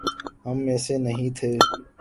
ہم میں سے نہیں تھے؟